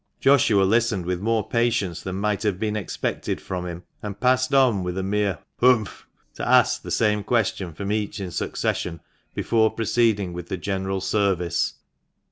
Joshua listened with more patience than might have been expected from him, and passed on with a mere " Humph !" to ask the same question from each in succession before proceeding with the general service.